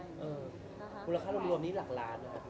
คุณราคาร่วมนี้หลักล้านนะครับ